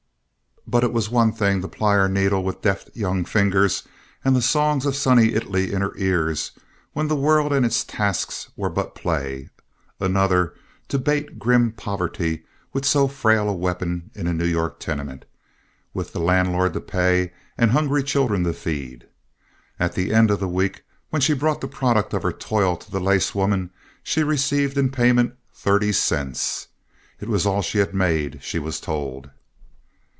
But it was one thing to ply her needle with deft young fingers and the songs of sunny Italy in her ears, when the world and its tasks were but play; another to bait grim poverty with so frail a weapon in a New York tenement, with the landlord to pay and hungry children to feed. At the end of the week, when she brought the product of her toil to the lace woman, she received in payment thirty cents. It was all she had made, she was told.